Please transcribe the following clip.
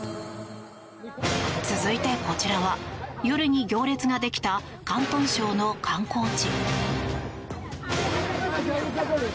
続いてこちらは夜に行列ができた広東省の観光地。